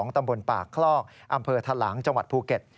ตำบลปากคลอกอำเภอทะหลางจังหวัดภูเก็ต